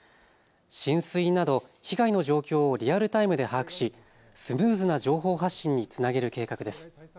浸水など被害の状況をリアルタイムで把握しスムーズな情報発信につなげる計画です。